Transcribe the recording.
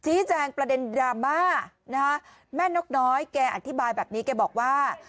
แจ้งประเด็นดราม่านะคะแม่นกน้อยแกอธิบายแบบนี้แกบอกว่า